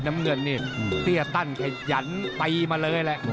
น้ำเงินนี่เตี้ยตันขยันตีมาเลยแหละ